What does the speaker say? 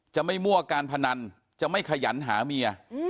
จะไม่มั่วการพนันจะไม่ขยันหาเมีย